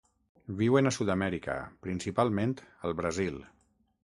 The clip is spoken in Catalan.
Viuen a Sud-amèrica, principalment al Brasil.